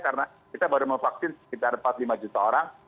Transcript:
karena kita baru mau vaksin sekitar empat puluh lima juta orang